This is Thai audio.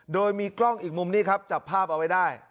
โดยมีกล้องอีกมุมนี่ครับจับภาพเอาไว้ได้